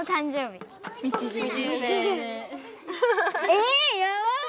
え⁉やばっ！